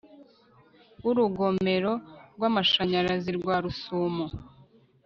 w urugomero rw amashanyarazi rwa Rusumo